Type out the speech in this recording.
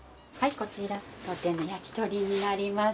こちら当店の焼き鳥になります